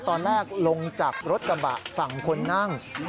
ตอนแรกลงจากรถกระบะฝั่งคนนั่ง